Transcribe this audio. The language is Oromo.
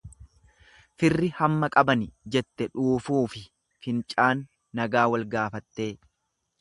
Firri hamma qabani jette dhuufuufi fincaan nagaa wal gaafattee.